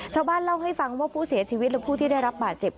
ชาวบ้านเล่าให้ฟังว่าผู้เสียชีวิตและผู้ที่ได้รับบาดเจ็บ